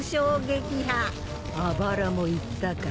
あばらもいったか。